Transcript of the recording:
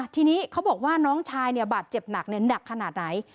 ทีนี้เขาบอกว่าน้องชายบาดเจ็บหนักหนักขนาดไหน